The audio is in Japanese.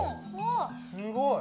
すごい！